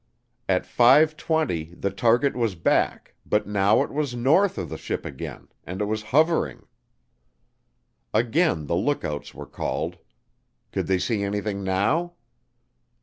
At 5:20 the target was back but now it was north of the ship again, and it was hovering! Again the lookouts were called. Could they see anything now?